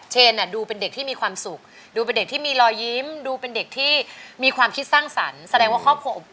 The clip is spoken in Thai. เชนครับเพื่อมีความเข้าใจที่ถูกต้องนะครับ